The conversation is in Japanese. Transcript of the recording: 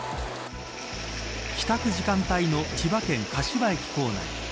帰宅時間帯の千葉県柏駅構内。